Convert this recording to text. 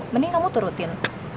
mending kamu turutin